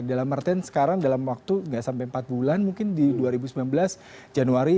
dalam artian sekarang dalam waktu nggak sampai empat bulan mungkin di dua ribu sembilan belas januari